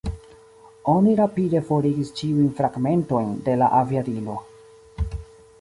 Oni rapide forigis ĉiujn fragmentojn de la aviadilo.